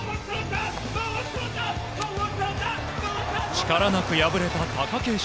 力なく敗れた貴景勝。